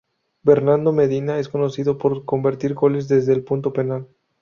Bernardo Medina es conocido por convertir goles desde el punto penal.